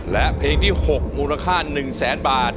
และเพลงที่หกมูลค่าหนึ่งแสนบาท